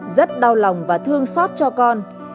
rất đau lòng và thương xót cho con